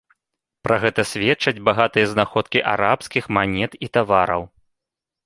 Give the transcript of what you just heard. Пра гэта сведчаць багатыя знаходкі арабскіх манет і тавараў.